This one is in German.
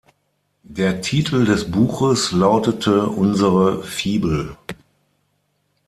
Der Titel des Buches lautete „Unsere Fibel“.